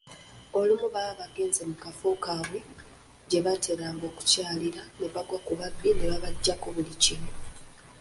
Olumu baba bagenze mu kafo kaabwe gye baateranga okukyakalira ne bagwa mu babbi abaabaggyako buli kimu.